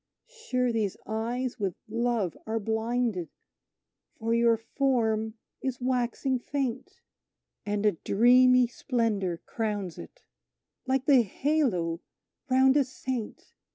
Sure these eyes with love are blinded, for your form is waxing faint; And a dreamy splendour crowns it, like the halo round a saint!